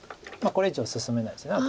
これ以上進めないですよね